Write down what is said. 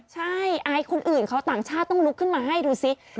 ใช่ไอซ์คนอื่นเขาต่างชาติต้องลุกขึ้นมาให้ดูสิ